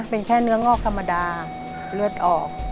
เป็นแค่เนื้องอกธรรมดาเลือดออก